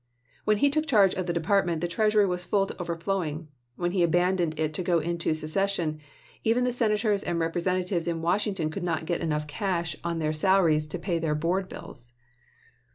When he took charge of the department the treasury was full to overflowing; when he abandoned it to go into secession, even the Senators and Represent atives in Washington could not get enough cash on their salaries to pay their board bills.